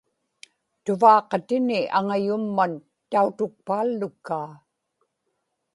tuvaaqatini aŋayumman tautukpaallukkaa